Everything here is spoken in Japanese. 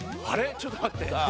ちょっと待ってＤ？